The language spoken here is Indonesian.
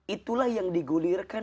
itulah yang digulirkan